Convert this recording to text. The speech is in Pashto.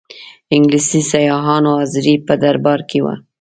انګلیسي سیاحانو حاضري په دربار کې وه.